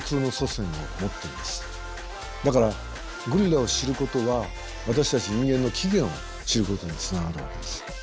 だからゴリラを知ることは私たち人間の起源を知ることにつながるわけです。